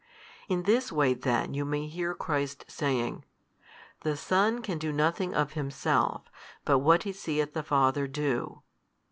In this way then you may hear Christ saying, The Son can do nothing of Himself but what He seeth the Father do.